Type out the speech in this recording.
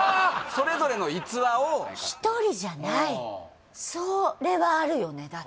それぞれの逸話を１人じゃないそれはあるよねだ